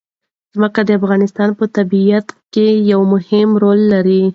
ځمکه د افغانستان په طبیعت کې یو مهم رول لري.